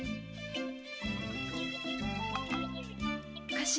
頭。